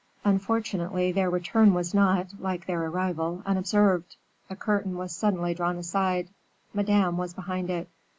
Unfortunately their return was not, like their arrival, unobserved. A curtain was suddenly drawn aside; Madame was behind it.